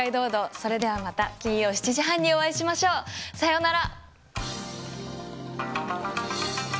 それではまた金曜７時半にお会いしましょう。さようなら。